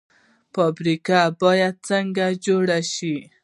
فابریکې باید څنګه جوړې شي؟